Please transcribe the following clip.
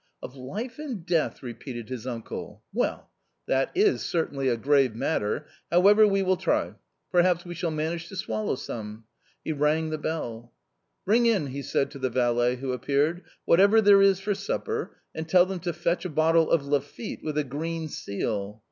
" Of life and death ?" repeated his uncle ;" well, that is certainly a grave matter ; however, we will try ; perhaps we shall manage to swallow some." He rang the bell. " Bring in," he said to the valet who appeared, " whatever there is for supper, and tell them to fetch a bottle of Lafitte with a green seal."